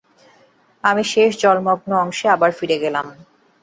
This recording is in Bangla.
আমি শেষ জলমগ্ন অংশে আবার ফিরে গেলাম, সবচেয়ে বিশ্রী অংশ।